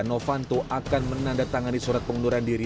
novanto akan menandatangani surat pengunduran diri